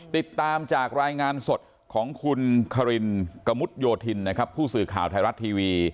ติดตามจากรายงานสดของคุณคารินกะมุดโยธินนะครับผู้สื่อข่าวไทยรัฐทีวี